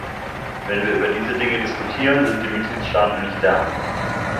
Wenn wir über diese Dinge diskutieren, sind die Mitgliedstaaten nicht da.